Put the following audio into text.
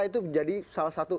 itu menjadi salah satu